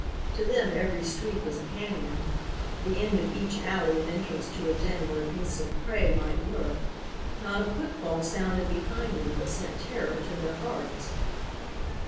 To them every street was a canyon, the end of each alley an entrance to a den where beasts of prey might lurk. Not a footfall sounded behind them but sent terror to their hearts.